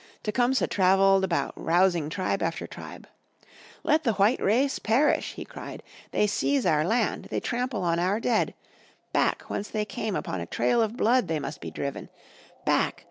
Tecumseh traveled about rousing tribe after tribe. "Let the white race perish," he cried. "They seize our land, they trample on our dead. Back! whence they came upon a trail of blood they must be driven! Back!